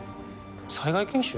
災害研修？